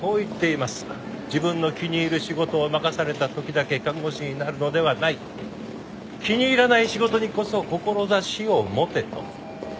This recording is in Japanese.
「自分の気に入る仕事を任された時だけ看護師になるのではない」「気に入らない仕事にこそ志を持て」と。